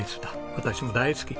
私も大好き！